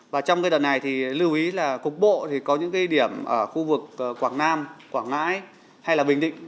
và trong đợt này thì lưu ý là cục bộ thì có những điểm ở khu vực quảng nam quảng ngãi hay là bình định